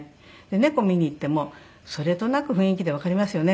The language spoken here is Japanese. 猫見にいってもそれとなく雰囲気でわかりますよね。